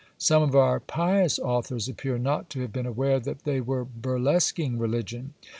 Some of our pious authors appear not to have been aware that they were burlesquing religion.